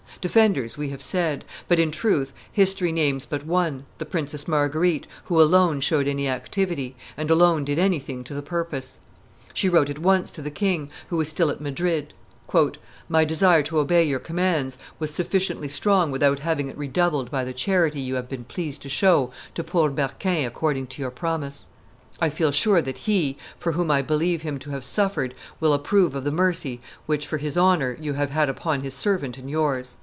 Defenders, we have said; but, in truth, history names but one, the Princess Marguerite, who alone showed any activity, and alone did anything to the purpose. She wrote at once to the king, who was still at Madrid "My desire to obey your commands was sufficiently strong without having it redoubled by the charity you have been pleased to show to poor Berquin according to your promise; I feel sure that He for whom I believe him to have suffered will approve of the mercy which, for His honor, you have had upon His servant and yours."